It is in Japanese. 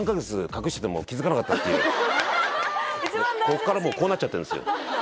こっからもうこうなっちゃってるんですよ